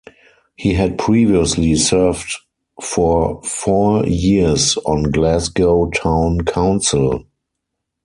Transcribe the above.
He had previously served for four years on Glasgow Town Council.